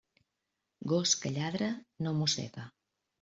Gos que lladra, no mossega.